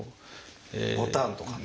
ボタンとかね。